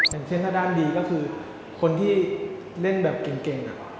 เห็นเช่นทางด้านดีก็คือคนที่เล่นแบบเก่งน่ะ